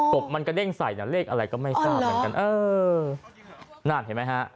บมันกระเด้งใส่น่ะเลขอะไรก็ไม่ทราบเหมือนกันเออนั่นเห็นไหมฮะ